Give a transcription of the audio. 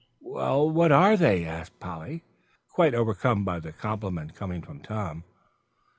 "Well, what are they?" asked Polly, quite overcome by the compliment coming from Tom.